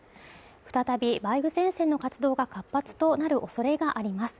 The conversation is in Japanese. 再び梅雨前線の活動が活発となるおそれがあります。